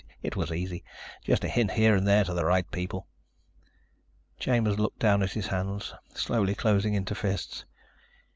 "It was easy. Just a hint here and there to the right people." Chambers looked down at his hands, slowly closing into fists.